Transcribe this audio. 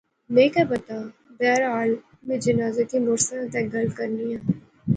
میں کہہ پتہ، بہرحال میں جنازے تھی مڑساں تہ گل کرنیاں